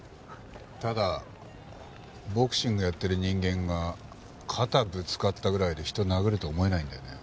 ただボクシングやってる人間が肩ぶつかったぐらいで人殴ると思えないんだよね。